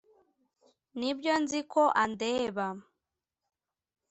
nibyo, nzi ko andeba